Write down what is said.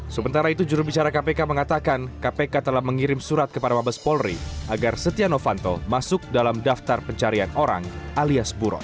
sementara itu jurubicara kpk mengatakan kpk telah mengirim surat kepada mabes polri agar setia novanto masuk dalam daftar pencarian orang alias buron